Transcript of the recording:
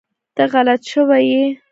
ته غلط شوی ېي